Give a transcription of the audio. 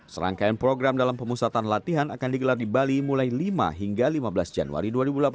serangkaian program dalam pemusatan latihan akan digelar di bali mulai lima hingga lima belas januari dua ribu delapan belas